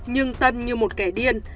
nhưng tân như một kẻ điên